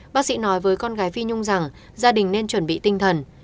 bác sĩ nói với con gái vi nhung rằng gia đình nên chuẩn bị tinh thần